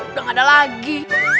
udah gak ada lagi